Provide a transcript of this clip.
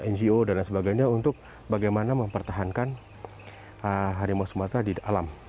ngo dan lain sebagainya untuk bagaimana mempertahankan harimau sumatera di alam